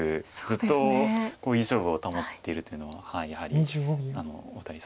ずっといい勝負を保っているというのはやはりお二人